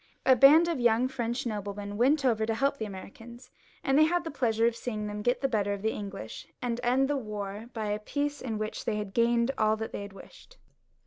A band of young French noblemen went over to help the Americans, and had the pleasure of seeing them get the better of the English and end the war, as I have said, by a peace, in which they gained all that they had wished.